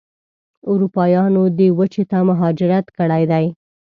اروپایانو دې وچې ته مهاجرت کړی دی.